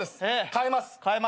かえます。